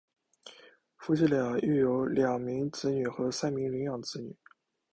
夫妇俩育有两名子女和三名领养子女。